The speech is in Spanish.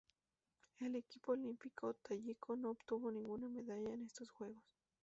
El equipo olímpico tayiko no obtuvo ninguna medalla en estos Juegos.